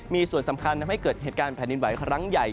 มีส่วนสำคัญทำให้เกิดเหตุการณ์แผ่นดินไหวครั้งใหญ่